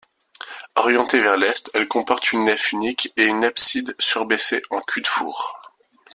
Orientée vers l'est, elle comporte une nef unique et une abside surbaissée en cul-de-four.